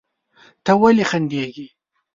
ته ولې خندېږې؟